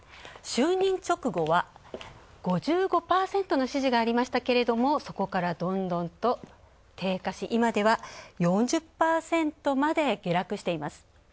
就任直後は５５％の支持がありましたけれどもそこからどんどんと低下し今では４０％まで下落しています。